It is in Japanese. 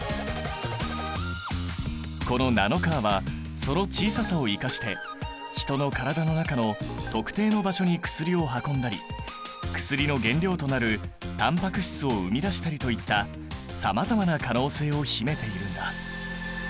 このナノカーはその小ささを生かして人の体の中の特定の場所に薬を運んだり薬の原料となるタンパク質を生み出したりといったさまざまな可能性を秘めているんだ。